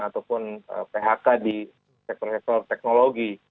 ataupun phk di sektor sektor teknologi